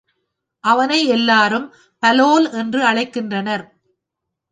அவனை எல்லாரும் பாலோல் என்று அழைக் கின்றனர்.